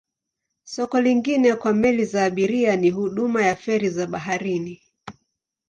Soko lingine kwa meli za abiria ni huduma ya feri za baharini.